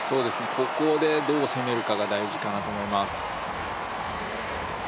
ここでどう攻めるかが大事かなと思います。